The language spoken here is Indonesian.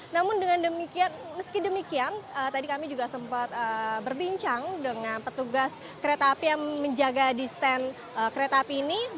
namun dengan demikian meski demikian tadi kami juga sempat berbincang dengan petugas kereta api yang menjaga di stand kereta api ini